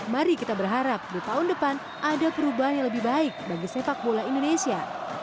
mari kita berharap di tahun depan ada perubahan yang lebih baik bagi sepak bola indonesia